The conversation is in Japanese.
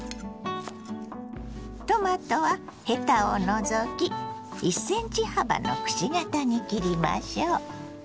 トマトはヘタを除き１ｃｍ幅のくし形に切りましょう。